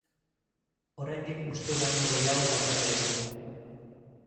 Oraindik uste baino gehiago falta zaigu.